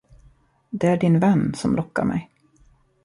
Det är din vän, som lockar mig.